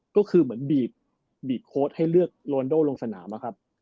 ก็คือเหมือนบีบโค้ดให้เลือกโรนโดลงสนามอะครับ